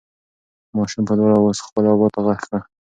ماشوم په لوړ اواز خپل ابا ته غږ کړ.